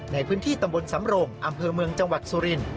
ในพื้นที่ตำบลสำรงอำเภอเมืองจังหวัดสุรินทร์